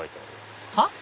はっ？